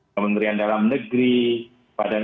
kementerian dalam negeri badan